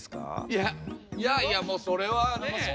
いやいやいやもうそれはねえ。